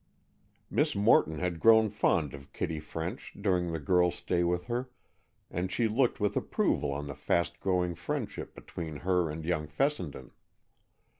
Miss Morton had grown fond of Kitty French during the girl's stay with her, and she looked with approval on the fast growing friendship between her and young Fessenden.